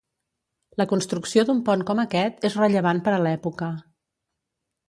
La construcció d'un pont com aquest és rellevant per a l'època.